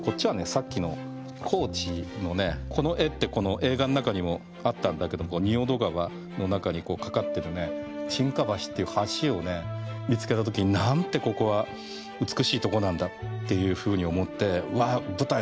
さっきの高知のねこの絵ってこの映画の中にもあったんだけども仁淀川の中に架かってる沈下橋っていう橋を見つけた時になんてここは美しいとこなんだっていうふうに思ってわあ舞台